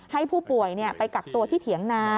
ให้ผู้ป่วยไปกักตัวที่เถียงนา